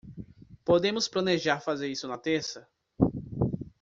Podemos planejar fazer isso na terça?